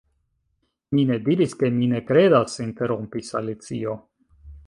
"Mi ne diris ke mi ne kredas," interrompis Alicio.